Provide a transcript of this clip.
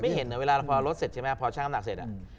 ไม่เห็นเนี่ยเวลาเราลดเสร็จใช่ไหมพอช่างอำนักเสร็จ